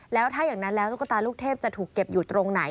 แล้วถ้าอย่างนั้นแล้วตุ๊กตาลูกเทพจะถูกเก็บอยู่ตรงไหน